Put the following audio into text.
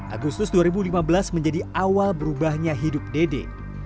agustus dua ribu lima belas menjadi awal berubahnya hidup dede